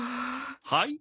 はい？